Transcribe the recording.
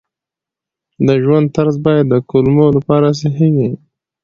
د ژوند طرز باید د کولمو لپاره صحي وي.